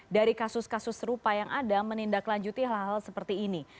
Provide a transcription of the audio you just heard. dari kasus kasus serupa yang ada menindaklanjuti hal hal seperti ini